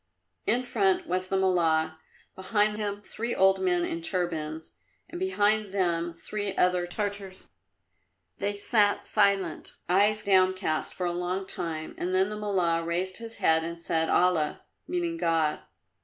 In front was the Mullah, behind him three old men in turbans, and behind them three other Tartars. They sat silent, eyes downcast, for a long time, then the Mullah raised his head and said, "Allah!" (meaning God).